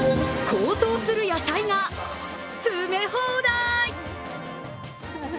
高騰する野菜が詰め放題！